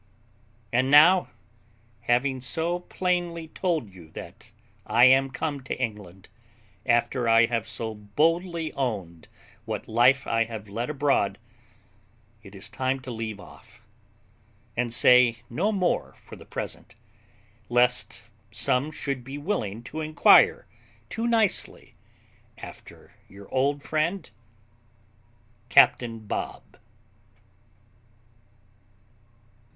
And now, having so plainly told you that I am come to England, after I have so boldly owned what life I have led abroad, it is time to leave off, and say no more for the present, lest some should be willing to inquire too nicely after your old friend CAPTAIN BOB.